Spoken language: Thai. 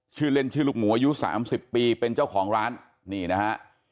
ชื่อเล่นชื่อลูกหมูอายุ๓๐ปีเป็นเจ้าของร้านนี่นะฮะ